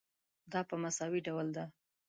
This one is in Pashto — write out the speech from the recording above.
دا په مساوي ډول ده.